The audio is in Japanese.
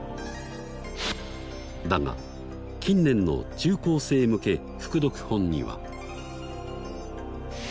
だが近年の中高生向け副読本には。